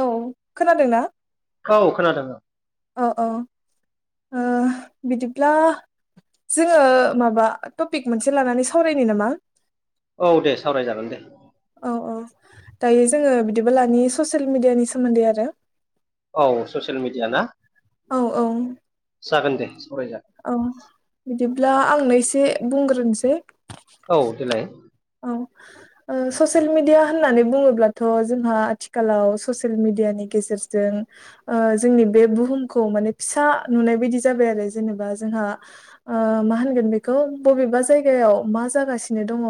औ खोनादोंना औ खोनादों ओं औ औ ओ बिदिब्ला जोङो माबा टपिक मोनसे लानानै सावरायनि नामा औ दे सावरायजागोन दे औ औ दायो जोङो बिदिबा लानि ससियेल मिडियानि सोमोन्दै आरो औ ससियेल मिडिया ना औ औ जागोन दे सावरायजागोन औ बिदिब्ला आंनो एसे बुंग्रोनोसै औ देलाय ओ ससियेल मिडिया होननानै बुङोब्लाथ' जोंहा आथिखालाव ससियेल मिडियानि गेजेरजों ओ जोंनि बे बुहुमखौ माने फिसा नुनाय बायदि जाबाय आरो जेनेबा जों हा ओ मा होनगोन बेखौ बबेबा जायगायाव मा जागासिनो दङ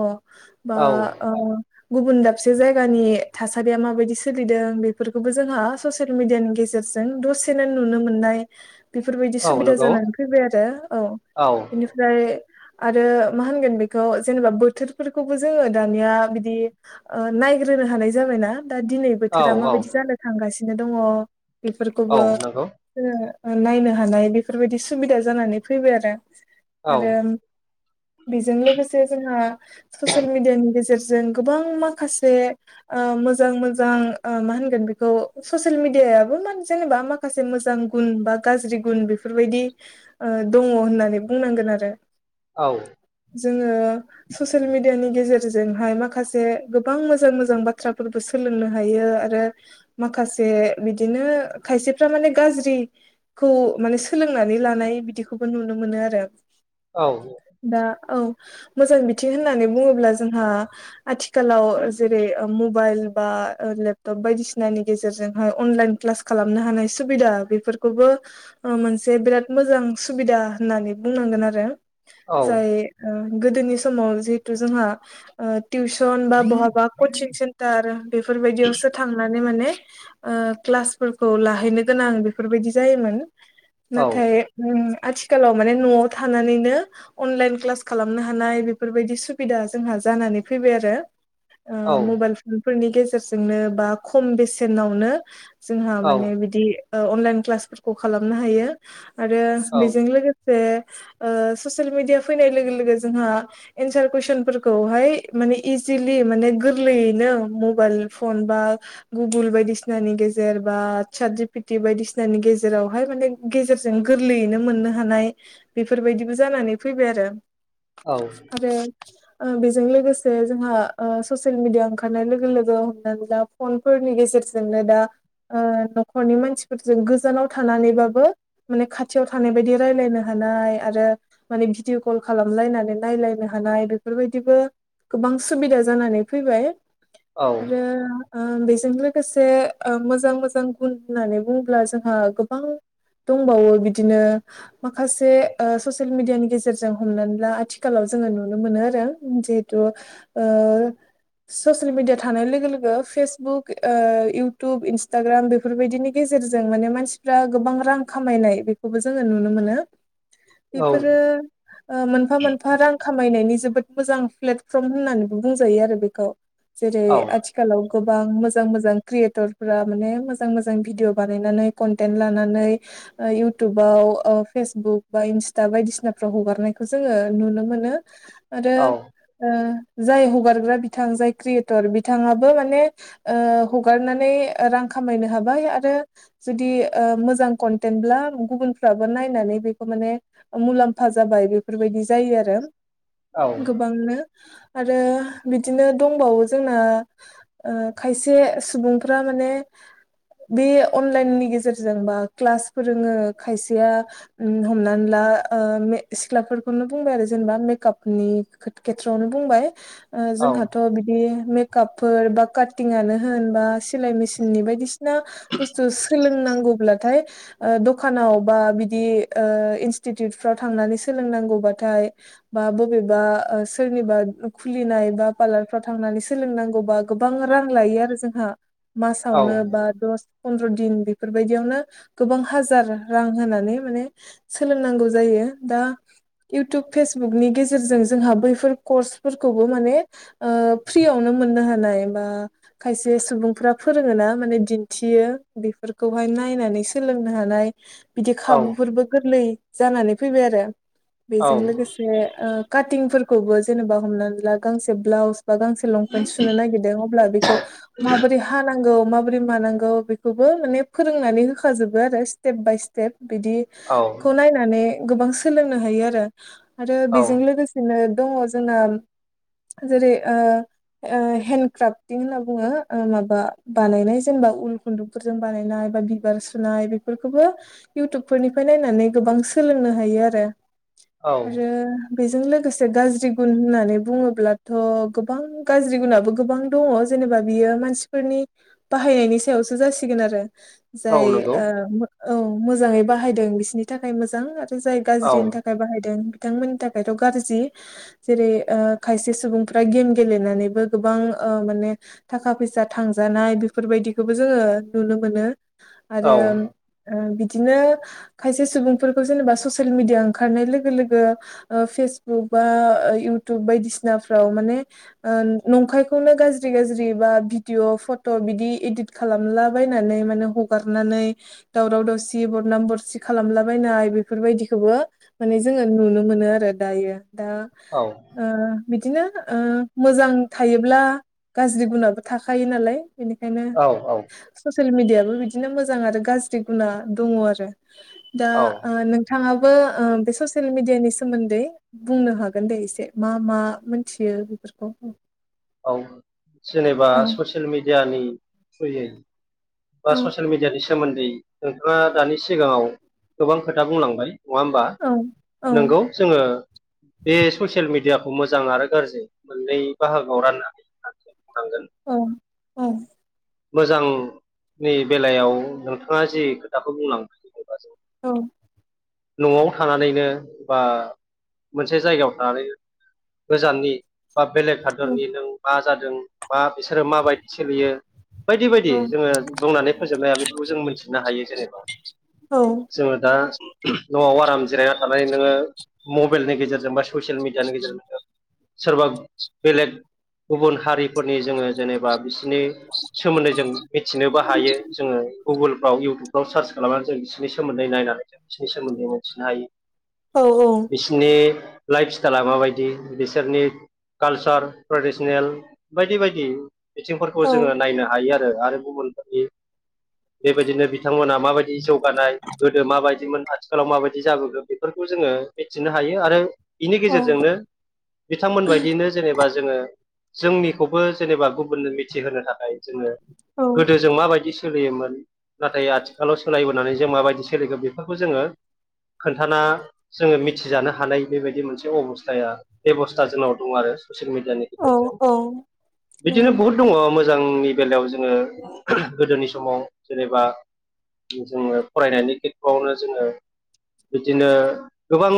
बा औ ओ गुबुन दाबसे जायगानि थासारिया माबायदि सोलिदों बेफोरखौबो जोंहा ससियेल मिडियानि गेजेरजों जों दसेनो नुनो मोननाय बेफोरबायदि औ सुबिदा नंगौ जानानै फैबाय आरो औ बेनिफ्राय आरो मा होनगोन बेखौ जेनेबा बोथोर फोरखौबो जोङो दानिया बिदि ओ नायग्रोनो हानाय जाबायना दा दिनै औ बोथोरा औ माबायदि जानो थांगासिनो दङ' औ बेफोरखौबो नंगौ जोङो नायनो हानाय बेफोरबायदि सुबिदा जानानै फैबाय आरो औ आरो बेजों लोगोसे जोंहा ससियेल मिडियानि गेजेरजों गोबां माखासे ओ मोजां मोजां ओ मा होनगोन बेखौ मेडियाबो जेनेबा माखासे मोजां गुन बा गाज्रि गुन बेफोरबायदि ओ दङ होननानै बुंनांगोन आरो औ जोङो ससेल ससियेल मिडियानि गेजेरजोंहाय माखासे गोबां मोजां मोजां बाथ्राफोरबो सोलोंनो हायो आरो माखासे बिदिनो खायसेफ्रा माने गाज्रि खौ माने सोलोंनानै लानाय बिदिखौबो नुनो मोनो आरो औ दा औ मोजां बि थिं होननानै बुङोब्ला जोंहा आथिखालाव जेरै मबाइल बा लेपटप बायदिसिनानि गेजेरजोंहाय अनलाइन क्लास खालामनो हानाय सुबिदा बेफोरखौबो ओ मोनसे बेराद मोजां सुबिदा होननानै बुंनांगोन आरो औ जाय ओ गोदोनि समाव माव जिहेतु जोंहा टिउसन बा बहाबा कचिं सेन्टार बेफोरबायदियावसो थांनानै माने माने ओ ‌क्लास फोरफोरखौ लाहैनो गोनां बेफोरबायदि जायोमोन औ नाथाय ओम आथिखालाव माने न'आव थानानैनो अनलाइन क्लास खालामनो हानाय बेफोरबायदि सुबिदा जोंहा जानानै फैबाय आरो ओ औ औ मबाइल फनफोरनि गेजेराव जोंनो बा खम बेसेनावनो जोंहा माने बिदि ओ अनलाइन क्लासफोरखौ खालामनो हायो आरो बेजों लोगोसे जे ससियेल मिडिया फैनाय लोगो लोगो जोंहा एन्सार कुइसनफोरखौहाय माने इजिलि माने गोरलैयैनो मबाइल फन बा गुगोल बायदिसिनानि गेजेर बा चात जिपिटि बायदिसिनानि गेजेरावहाय माने गेजर जों गोरलैयैनो मोननो हानाय बेफोरबायदिबो जानानै फैबाय आरो आरो ओ बेजों लोगोसे जोंहा ससियेल मिडिया ओंखारनाय लोगो लोगो हमनानै ला फनफोर फोरनि गेजेरजोंनोदा ओ न'खरनि मानसिफोरजों गोजानाव थानानैबाबो माने खाथियाव थानाय बायदि रायलायनो हायो नाय आरो माने भिदिअ कल खालामलायनानै नायलायनाय हानाय बेफोरबायदिबो गोबां सुबिदा जानानै फैबाय आरो ओ बेजों लोगोसे ओ मोजां मोजां गुन होननानै बुंङोब्ला जोंहा गोबां दंबावो बिदिनो माखासे ससियेल मिडियानि गेजेरजों हमनानै ला आथिखालाव जोङो नुनो मोनो आरो जिहेथु ससियेल मिडिया थानाय लोगो लोगो फेसबुक ओ इउटुब इन्स्टाग्राम बेफोरबायदिनि गेजेरजों गेजेरजों माने मानसिफ्रा गोबां रां खामायनाय बेखौबो जोङो नुनो मोनो बेफोरो ओ मोनफा मोनफा रां खामायनायनि जोबोद मोजां प्लेटफर्म होननानैबो बुंजायो आरो बेखौ जेरै आथिखालाव गोबां मोजां मोजां क्रियेटरफोरा माने मोजां मोजां भिडिअ बानायनानै कन्टेन्ट लानानै ओ इउटुबाव फेसबुक बा इन्स्टा बायदिसिनाफ्राव हगारनायखौ जोङो नुनो मोनो आरो आ जाय हगारग्रा बिथां जाय क्रियेटर बिथाङाबो माने ओ हगारनानै रां खामाय मायनो हाबाय आरो जुदि मोजां कनटेन्टब्ला गुबुनफ्राबो नायनानै बे माने मुलामफा जाबाय बेफोरबायदि जायो आरो गोबांनो आरो बिदिनो दंबावो जोंना खायसे ओ सुबुंफोरा माने माने बे अनलाइननि गेजेरजों बा क्लास फोरोङो खायसेया ओम हमनानै ला ओ ओ सिख्लाफोरखौनो बुंबाय आरो जेनेबा मेकापनि खेथ्रआवनो बुंबाय ओ जोंहाथ' बिदि मेकापफोर बा काटिंआनो होन बा सिलाय मेसिननि बायदिसिना ना बुस्थु सोलोंनांगौब्लाथाय ओ दखानाव बा बिदि ओ इनस्टिटिउटफ्राव थांनानै सोलोंनांगौबाथाय बा बबेबा ओ सोरनिबा खुलिनाय बा पार्लारफ्राव थांनानै सोलोंनांगौबा गोबां रां लायो आरो जोंहा मासावनो बा दस फन्द्र' दिन बेफोरबायदियावनो गोबां हाजार रां होनानै माने सोलोंनांगौ जायो। दा इउटुब फेस- बुक नि गेजेरजों जोंहा बैफोर कर्सफोरखौबो माने ओ फ्रियावनो मोननो हानाय ओ खायसे सुबुंफोरा फोरोङ ना माने दिन्थियो बेफोरखौहाय नायनानै सोलों नो हानाय बिदि खाबुफोरबो गोरलै जानानै फैबाय आरो बेजों लोगोसे ओ काटिंफोरखौबो जेनेबा हमनानै ला गांसे ब्लाउस बा गांसे लंपेन्ट सुनो नागिरदों अब्ला बेखौ माबोरै हानां- गौ माबोरै मानांगौ बेखौबो माने फोरोंनानै होखा जोबो आरो स्टेप बाय स्टेप बिदिखौ नायनानै गोबां सोलोंनो हायो आरो आरो बेजों लोगोसेनो दङ जोंना जेरै ओ ओ हेन्द क्राफटिं होनना बुङो ओ माबा बानायनाय जेनेबा उल खुन्दुंफोरजों बानायनाय बा बिबार सुनाय बेफोरखौबो इउटुब फोरनिफ्राय नायनानै गोबां सोलोंनो हायो आरो आरो बेजों लोगोसे गाज्रि गुन होननानै बुङोब्लाथ' गोबां गाज्रि गुनाबो गोबां दङ जेनेबा बियो मानसिफोरनि बाहायनायनि सायावसो जासिगोन आरो जाय नंगौ ओ औ मोजाङै बाहायदों बिसिनि थाखाय मोजां जाय औ गाज्रिनि थाखाय बाहाय- दों बिथांमोननि थाखायथ' गाज्रि जेरै खायसे सुबुंफ्रा गेम गेलेनानैबो गो- गोबां ओ माने थाखा फैसा थांजानाय बेफोरबायदिखौबो जोङो नुनो मोनो। आरो ओ औ बि- बिदिनो खायसे सुबुंफोरखौ जेनेबा ससियेल मिडिया ओंखारनाय लोगो- लोगो ओ फेसबुक बा ओ इउटुब बायदिसिनाफ्राव माने ओ नं- नंखायखौनो गाज्रि गाज्रि बा भिडिअ' फट' बिदि इदिट खालामलाबायनानै माने हगार- नानै दावराव दावसि बरनाम बरसि खालामलाबायनाय बेफोरबायदिखौबो माने जोङो नुनो मोनो आरो दायो दा ओ बिदिनो ओ मोजां थायोब्ला गाज्रि गुनाबो थाखायो नालाय बेनिखायनो औ औ ससियेल मिडियायाबो बिदिनो मोजां आरो गाज्रि गुना दङ आरो दा औ औ ओ नोंथाङाबो ओ बे ससियेल मिडियानि सोमोन्दै बुंनो हागोन दे एसे मा मा मोनथियो बेफोरखौ औ जेनेबा औ ससियेल मिडियानि थ्रुयै बा औ ससियेल मिडियानि सोमोन्दै नोंथाङा दानि सिगाङाव गोबां खोथा बुंलांबाय नङा होमबा औ औ नंगौ जोङो बे ससियेल मिडियाखौ मोजां आरो गाज्रि मोननै बाहागोआव राननानै थांगोन औ औ मोजांनि बेलायाव नोंथाङा जि खोथाखौ बुंलांबाय एबा जों औ न'आव थानानैनो बा मोनसे जायगायाव थानानैनो गोजाननि बा बेलेग हादोरनि नों मा जादों बा बिसोरो माबायदि सोलियो बायदि बायदि औ जोङो बुंनानै फोजोबनाय हाया बेफोरखौ जों मोनथिनो हायो जेनेबा जोङो दा न'आव आराम जिरायना थानानै नोङो मबाइलनि गेजेरजों बा ससियेल मिडियानि गेजेरजों नोङो सोरबा बेलेग गुबुन हारिफोरनि जोङो जेनेबा बिसिनि सोमोन्दै जों मिथिनोबो हायो जोङो गुगोल इउटुबफ्राव सार्च खालामनानै जों बिसिनि सोमोन्दै नायनानै जों बिसोरनि सोमोन्दै मोनथिनो हायो औ बिसिनि लाइफ स्टाइला माबायदि बिसोरनि कालसार ट्रेडिसनेल बायदि बायदि बिथिंफोरखौ औ जोङो नायनो हायो आरो आरो गुबुन बेबायदिनो बिथांमोना माबायदि जौगानाय गोदो माबायदि आथिखालाव माबायदि जाबोगोन बेफोरखौ जोङो मिथिनो हायो आरो बिनि गेजेरजोंनो बिथांमोन बादियैनो जेनेबा जोङो जोंनिखौबो जेनेबा गुबुननो मिथिहोनो थाखाय जोङो औ गोदो जों माबायदि सोलियोमोन नाथाय आथिखालाव सोलायबोनानै जों माबायदि सोलिगोन बेफोरखौ जोङो खोन्थाना जोङो मिथिजानो हानाय बेबायदि मोनसे अबस्थाया बेबस्था जोंनाव दं आरो ससियेल मिडियानि गेजेरजों औ औ नंगौ बिदिनो औ बहुद दङ मोजां मोजांनि बेलायाव जोङो गोदोनि समाव जेनेबा जोङो फरायनायनि खेथ्र'आवनो जोङो बिदिनो गोबां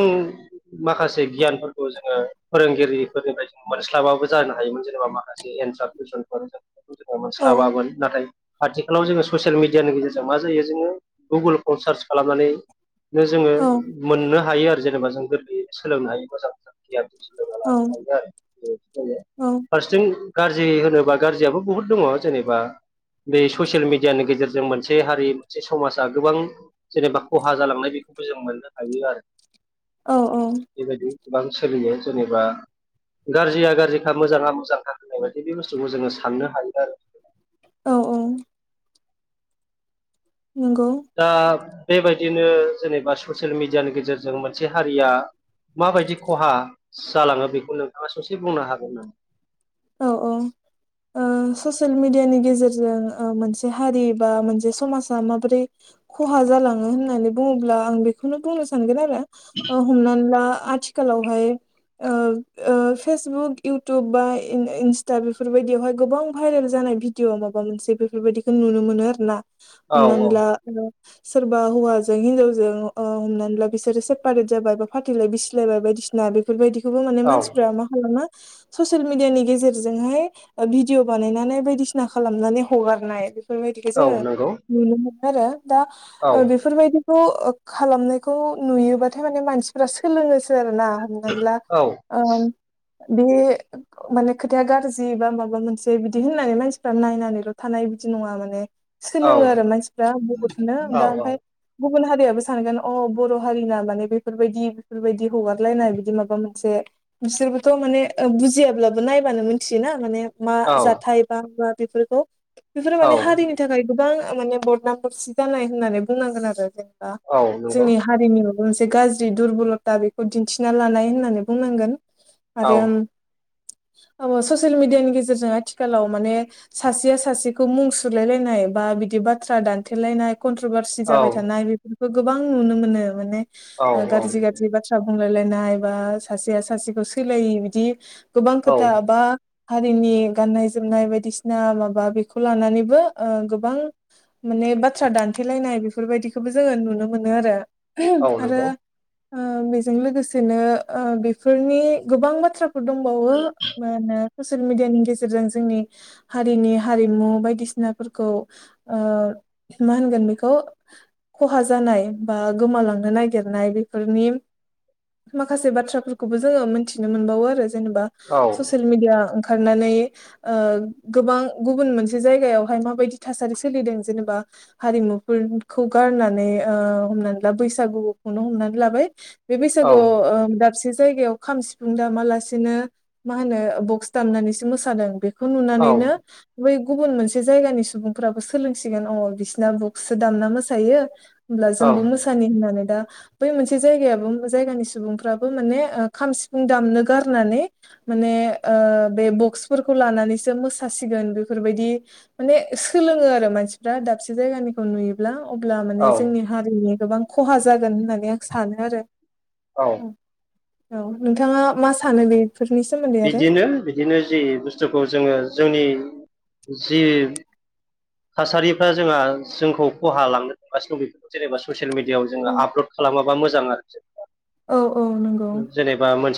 माखासे गियानफोरखौ जोङो फोरोंगिरिफोर मोनस्लाबाबो जानो हायोमोन जेनेबा माखासे एन्सार कुइसनफोर जों जोङो औ मोनस्लाबामोन नाथाय आथिखालाव जोङो ससियेल मिडियानि गेजेरजों मा जायो जोङो गुगोलखौ सार्च खालामनानैनो जोङो औ मोननो हायो आरो जेनेबा जों गोरलै सोलोंनो हायो मोजां मोजां गियान जों सोलोंना लानो हायो आरो फारसेथिं गाज्रि होनोबा गाज्रियाबो बहुद दङ जेनेबा बे ससियेल मिडियानि गेजेरजों मोनसे हारि मोनसे समाजा गोबां जेनेबा खहा जालांनाय बेखौबो जों मोननो हायो आरो औ बेबायदि गोबां सोलियो जेनेबा गाज्रिया गाज्रिखा मोजाङा मोजांखा होनाय बायदि बे बुस्थुखौ जोङो साननो हायो आरो औ औ नंगौ दा बेबायदिनो जेनेबा ससियेल मिडियानि गेजेरजों मोनसे हारिया माबायदि खहा जालाङो बेखौ नोंथाङा ससे बुंनो हागोन नामा औ औ ओ ससियेल मिडियानि गेजेरजों मोनसे हारि बा मोनसे समाजा माबोरै खहा जालाङो होननानै बुङोब्ला आं बेखौनो बुंनो सानगोन आरो हमनानै ला आथिखालावहाय ओ फेसबुक इउटुब बा इन्स्टा बेफोरबायदियावहाय गोबां भाइरेल जानाय भिडिअ माबा मोनसे बेफोरबायदिखौ नुनो मोनो आरो ना औ हमनानै औ ला सोरबा हौवाजों हिनजावजों हमनानै ला बिसोरो सेपारेट जाबाय बा फाथिलाय बिसिलायबाय बायदि बायदिसिना बेफोरबायदिखौबो माने औ मानसिफ्रा मा खालामो ससेल मिडि मिडियानि गेजेरजोंहाय भिडअ बानायनानै बायदिसिना खालामनानै हगारनाय बेफोरबायदिखौ औ जोङो नंगौ नुनो मोनो आरो दा औ बेफोरबायदि खालामनायखौ नुयोबाथाय माने मानसिफ्रा सोलोङोसो आरो ना हमनानै ला औ ओ‌ बे माने खोथाया गाज्रि बा माबा मोनसे बिदि होननानै मानसिफ्रा नायनानैल' थानाय बिदि नङा माने औ सोलोङो आरो मानसिफ्रा बहुदनो औ दा ओमफ्राय गुबुन हारियाबो सानगोन अह बर' हारिना माने बेफोरबायदि बेफोरबायदि हगारलायनाय बिदि माबा मोनसे बिसोरबोथ' माने बुजिया। अब्लाबो नायबानो मिथियोना माने मा औ जाथाय बा मा बेफोरखौ बेफोरो औ माने हारिनि थाखाय गोबां माने बदनाम बरसि जानाय होननानै बुंनांगोन आरो जेन औ नंगौ जोंनि हारिनि मोनसे गाज्रि दुरबलथा बेखौ दिन्थिना लानाय होननानै बुंनांगोन औ आरो। [inaudible] अ ससियेल मिडियानि गेजेरजों आथिखालाव माने सासेया सासेखौ मुं सुलायलायनाय बा बिदि बाथ्रा दानथेलायनाय कनट्रभारसि औ जाबाय थानाय बेफोरखौ गोबां नुनो मोनो माने औ ओ औ गारजि गाज्रि बाथ्रा बुं रायलायनाय बा सासेया सासेखौ सैलायि बिदि गोबां औ खोथा बा हारिनि गाननाय जोमनाय बायदिसिना माबा बेखौ लानानैबो ओ गोबां माने बाथ्रा दानथेलायनाय बेफोर बायदिखोबो जोङो नुनो मोनो आरो औ [inaudible] आरो नंगौ ओ बेजों लोगोसेनो ओ बेफोरनि गोबां बाथ्राफोर दं। बावो मा होनो ससियेल मिडियानि गेजेरजों जोंनि हारिनि हारिमु बायदिसिनाफोरखौ ओ मा होनगोन बेखौ खहा जानाय बा गोमालांनो नागिरनाय बेफोरनि माखासे बाथ्राफोरखौबो जोङो मिनथिनो मोनबावो आरो जेनेबा औ ससियेल मिडिया ओं खारनानै ओ गोबां गुबुन मोनसे जायगायावहाय माबायदि थासारि सोलिदों जेनेबा हारिमुफोरखौ गारनानै ओ हमनानै ला बैसागुखौनो हमनानै लाबाय। बे औ बैसागुआव ओ दाबसे जायगायाव खाम सिफुं दामालासे बिदिनो मा होनो बक्स दामनानैसो मोसादों बेखौ औ नुनानैनो बै गुबुन मोनसे जायगानि सुबुंफोराबो सोलोंसिगोन अ बिसिना बुक्सो दामना मोसायो। होमब्ला जोंबो मोसानि होननानै दा बै मोनसे जायगायाबो जायगानि सुबुंफ्राबो माने ओ खाम सिफुं दामनो गार नानै माने ओ बे बक्सफोरखौ लानानैसो मोसासिगोन। बेफोरबायदि माने सोलोङो आरो मानसिफ्रा दाबसे जायगानिखौ नुयोब्ला अब्ला औ माने जोंनि हारिनि गोबां खहा जागोन होननानै आं सानो आरो औ औ नोंथाङा मा सानो बे बिदिनो बिदिनो जि बुस्थुखौ जोङो जोंनि जि थासारिफ्रा जोंहा जोंखौ खहा लांनो थासिनो बेफोरखौ जेनेबा ससियेल मिडियआव औ जोङो आपल'ड खालामाबा मोजां आरो जेनेबा औ औ नंगौ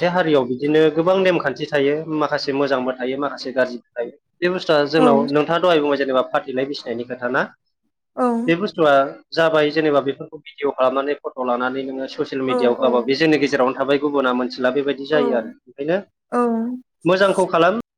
मोनसे हारियाव बिदिनो गोबां नेमखान्थि थायो माखासे मोजांबो थायो माखासे गाज्रिबो थायो। बे बुस्थुआ औ जोंनाव नोंथाङा दहाय बुंबाय जेनबा फाथैलाइ बिसिनायनि खोथा ना? औ बे बुस्थुआ जाबाय जेनेबा बेफोरखौ भिडिय' खालामनानै फट' लानानै नोङो ससियेल मिडियाआव औ होआबा बे जोंनि गेजेरावनो थाबाय गुबुना मोनथिला बेबायदि जायो आरो औ ओंखायनो औ मोजांखौ खालाम